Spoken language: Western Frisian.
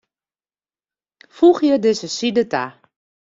Foegje dizze side ta.